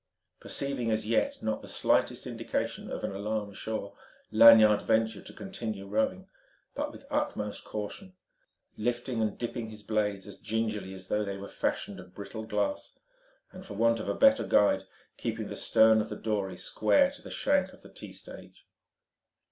Perceiving as yet not the slightest indication of an alarm ashore, Lanyard ventured to continue rowing, but with utmost caution, lifting and dipping his blades as gingerly as though they were fashioned of brittle glass, and for want of a better guide keeping the stern of the dory square to the shank of the T stage.